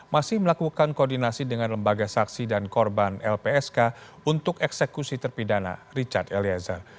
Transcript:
masih melakukan koordinasi dengan lembaga saksi dan korban lpsk untuk eksekusi terpidana richard eliezer